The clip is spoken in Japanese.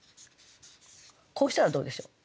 こうしたらどうでしょう？